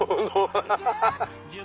ハハハハ！